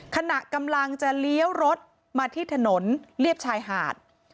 ขณะกำลังจะเลี้ยวรถมาที่ถนนเรียบชายหาด